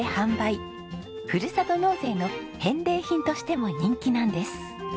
ふるさと納税の返礼品としても人気なんです。